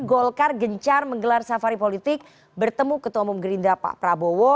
golkar gencar menggelar safari politik bertemu ketua umum gerindra pak prabowo